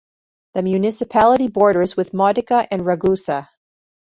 The municipality borders with Modica and Ragusa.